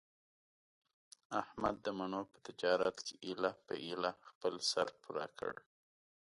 احمد د مڼو په تجارت کې ایله په ایله خپل سر پوره کړ.